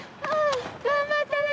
頑張ったね！